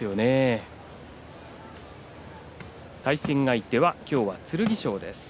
対戦相手は今日は剣翔です。